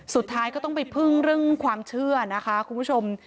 สุดท้ายก็ต้องไปพึ่งเรื่องความเชื่อนะคะคุณผู้ชม